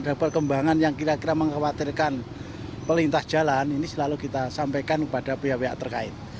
ada perkembangan yang kira kira mengkhawatirkan pelintas jalan ini selalu kita sampaikan kepada pihak pihak terkait